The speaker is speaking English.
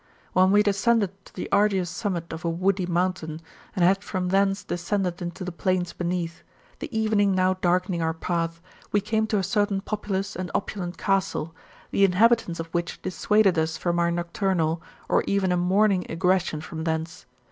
When we had ascended to the arduous summit of a woody mountain, and had from thence des cended into the plains beneath, the evening now darkening our {>ath, we came to a certain populous and opulent castle, the inhabitants of which dissuaded us from a nocturnal, or even a morning egression from thence.